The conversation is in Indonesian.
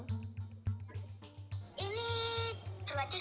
ini dua tiga bulanan ini